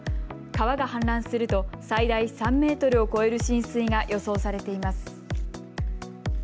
川が氾濫すると最大３メートルを超える浸水が予想されています。